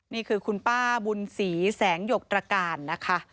นี่คือคุณป้าบุญศรีแสงหยกตรการนะคะ